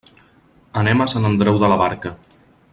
Anem a Sant Andreu de la Barca.